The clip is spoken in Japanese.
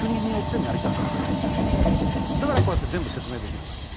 だからこうやって全部説明できるわけ。